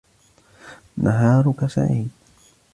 نهارك سعيد.